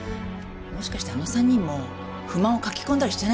もしかしてあの３人も不満を書き込んだりしてないかな？